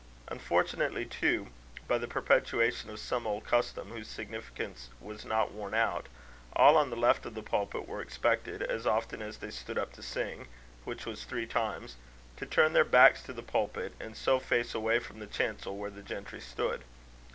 Unfortunately, too, by the perpetuation of some old custom, whose significance was not worn out, all on the left of the pulpit were expected, as often as they stood up to sing which was three times to turn their backs to the pulpit, and so face away from the chancel where the gentry stood.